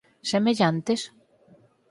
_¿Semellantes?